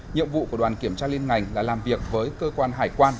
nhiệm vụ của đoàn kiểm tra liên ngành là làm việc với cơ quan hải quan